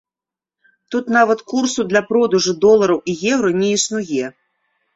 Тут нават курсу для продажу долараў і еўра не існуе.